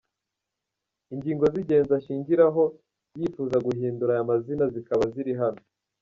Ingingo z’ingenzi ashingiraho yifuza guhindura aya mazina zikaba ziri hano:.